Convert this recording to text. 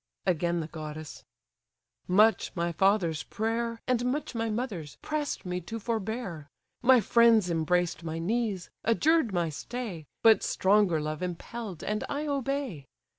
Again the goddess: "Much my father's prayer, And much my mother's, press'd me to forbear: My friends embraced my knees, adjured my stay, But stronger love impell'd, and I obey.